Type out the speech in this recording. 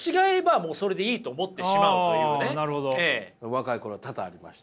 若い頃多々ありました。